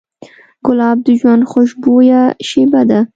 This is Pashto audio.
ګلاب د ژوند خوشبویه شیبه ده.